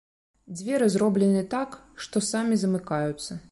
Дзверы зроблены так, што самі замыкаюцца.